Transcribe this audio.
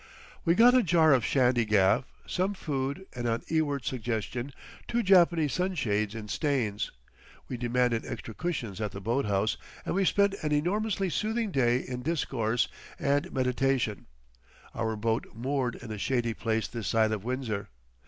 We got a jar of shandy gaff, some food, and, on Ewart's suggestion, two Japanese sunshades in Staines; we demanded extra cushions at the boathouse and we spent an enormously soothing day in discourse and meditation, our boat moored in a shady place this side of Windsor.